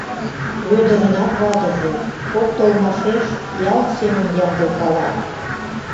Вӧдырынат ватыже поп толмашеш ял семын ямдылкала.